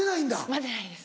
待てないです。